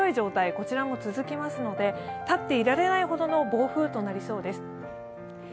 こちらも続きますので立っていられないほどの暴風となりそうです。